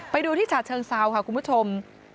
ไปดูที่ฉะเชิงเซาค่ะคุณผู้ชม